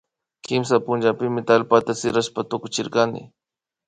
Kimsa hunkaypimi tallpata sirashpa tukuchirkani